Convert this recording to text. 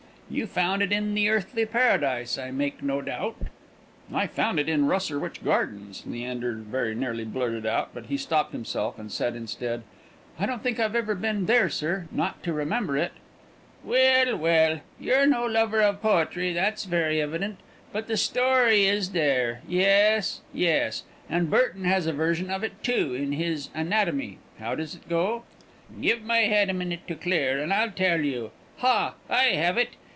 You found it in the Earthly Paradise, I make no doubt?" "I found it in Rosherwich Gardens," Leander very nearly blurted out; but he stopped himself, and said instead, "I don't think I've ever been there, sir; not to remember it." "Well, well! you're no lover of poetry, that's very evident; but the story is there. Yes, yes; and Burton has a version of it, too, in his Anatomy. How does it go? Give my head a minute to clear, and I'll tell you. Ha! I have it!